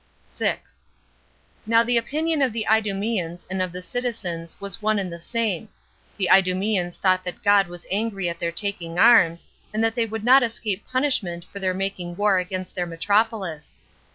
6. Now the opinion of the Idumeans and of the citizens was one and the same. The Idumeans thought that God was angry at their taking arms, and that they would not escape punishment for their making war upon their metropolis.